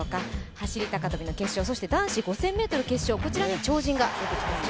走高跳の決勝、男子５０００ｍの決勝、こちらに超人が出てきますね。